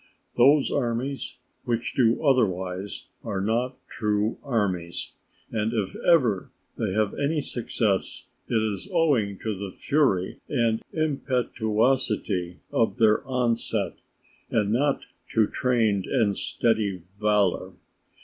Those armies which do otherwise are not true armies, and if ever they have any success, it is owing to the fury and impetuosity of their onset and not to trained and steady valour.